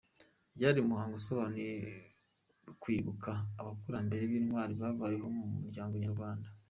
Byari umuhango usobanuye kwibuka abakurambere b’intwari babayeho mu muryango nyarwanda.